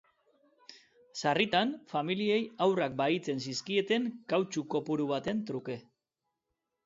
Sarritan, familiei haurrak bahitzen zizkieten kautxu kopuru baten truke.